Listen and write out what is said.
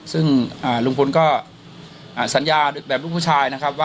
ซึ่งลุงพลก็สัญญาแบบลูกผู้ชายนะครับว่า